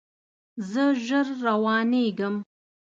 زه ژر روانیږم